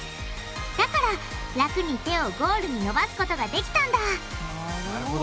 だから楽に手をゴールに伸ばすことができたんだなるほど。